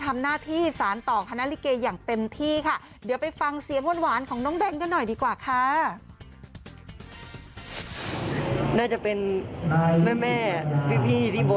แม่พี่ที่บนมากกว่าครับ